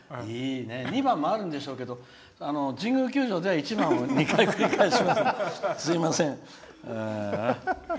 ２番もあるんでしょうけど神宮球場では１番を２回繰り返します。